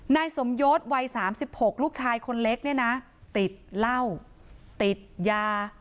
นายสมยศวัย๓๖ลูกชายคนเล็กเนี่ยนะติดเหล้าติดยา